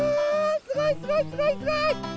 すごいすごいすごいすごい！